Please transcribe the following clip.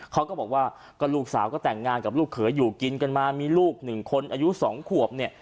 เขาก็บอกว่าก็ลูกสาวก็แต่งงานกับลูกเขยอยู่กินกันมามีลูกหนึ่งคนอายุ๒ขวบเนี่ย